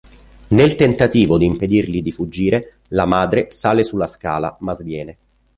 Nel tentativo di impedirgli di fuggire, la madre sale sulla scala ma sviene.